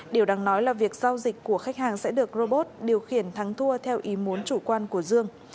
điều đáng nói là việc giao dịch của khách hàng sẽ được robot điều khiển thắng thua theo ý muốn chủ quan của dương